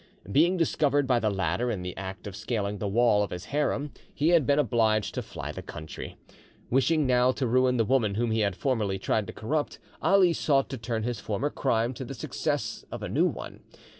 Being discovered by the latter in the act of scaling the wall of his harem, he had been obliged to fly the country. Wishing now to ruin the woman whom he had formerly tried to corrupt, Ali sought to turn his former crime to the success of a new one.